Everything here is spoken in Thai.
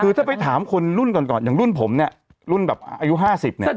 คือถ้าไปถามคนรุ่นก่อนก่อนอย่างรุ่นผมเนี่ยรุ่นแบบอายุ๕๐เนี่ย